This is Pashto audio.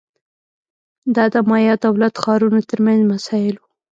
دا د مایا دولت ښارونو ترمنځ مسایل وو